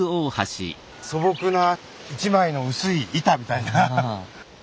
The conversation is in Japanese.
素朴な一枚の薄い板みたいな。